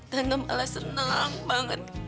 tante malah senang banget